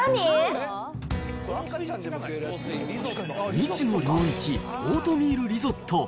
未知の領域、オートミールリゾット。